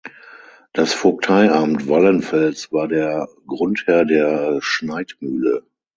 Das Vogteiamt Wallenfels war der Grundherr der Schneidmühle.